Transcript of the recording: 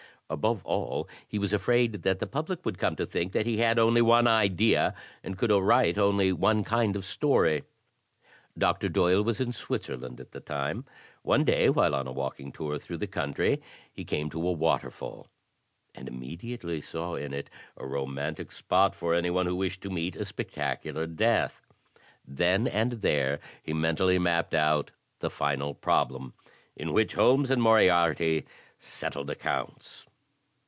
Above all, he was afraid that the public would come to think that he had only one idea and could write only one kind of story. Dr. Doyle was in Switzerland at the time. One day, while on a walking tour through the coimtry, he came to a waterfall, and immediately saw in it a romantic spot for any one who wished to meet a spectacular death. Then and there he mentally mapped out "The Final Prob lem," in which Holmes and Moriarty settled accounts.